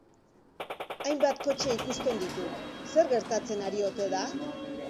Hainbat kotxe ikusten ditut, zer gertatzen ari ote da?